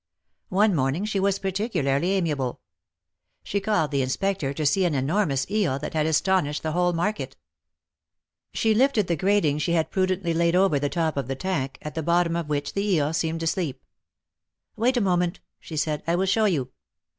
One morning she was particularly amiable. She called the Inspector to see an enormous eel, that had astonished the whole market. She lifted the grating she had pru dently laid over the top of the tank, at the bottom of which the eel seemed to sleep. Wait a moment,^^ she said, I will show you."